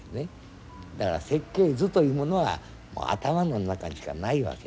だから設計図というものは頭の中にしかないわけ。